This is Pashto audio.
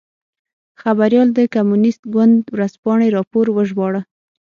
خبریال د کمونېست ګوند ورځپاڼې راپور وژباړه.